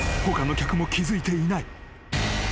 他の客も気付いていない］